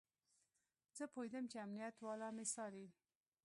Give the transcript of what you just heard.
زه پوهېدم چې امنيت والا مې څاري.